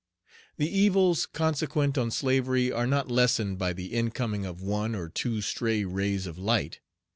The evils consequent on slavery are not lessened by the incoming of one or two stray rays of light.